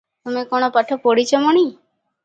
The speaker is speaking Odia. ତୁମେ କଣ ପାଠ ପଢ଼ି ଚ ମଣି?